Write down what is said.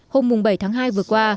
hôm bảy tháng hai vừa qua